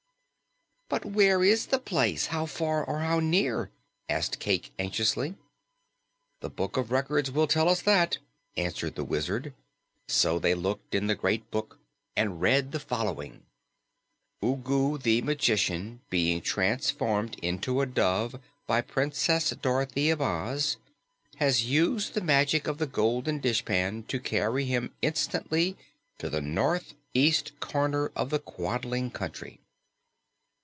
"But where is the place? How far or how near?" asked Cayke anxiously. "The Book of Records will tell us that," answered the Wizard. So they looked in the Great Book and read the following: "Ugu the Magician, being transformed into a dove by Princess Dorothy of Oz, has used the magic of the golden dishpan to carry him instantly to the northeast corner of the Quadling Country."